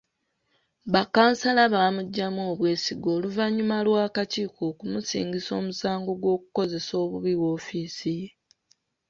Bakkansala baamuggyamu obwesige oluvannyuma lw’akakiiko okumusingisa omusango gw’okukozesa obubi woofiisi ye.